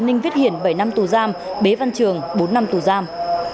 ninh viết hiển bảy năm tù giam bế văn trường bốn năm tù giam